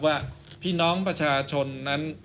ว่าพี่น้องประชาชนนั้น